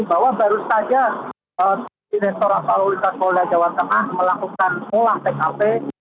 bahwa baru saja di restoran kekulitan molda jawa tengah melakukan pola tkp